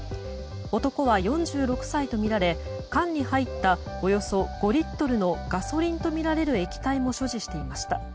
男は４６歳とみられ缶に入った、およそ５リットルのガソリンとみられる液体も所持していました。